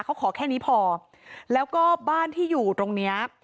เขาขอแค่นี้พอแล้วก็บ้านที่อยู่ตรงเนี้ย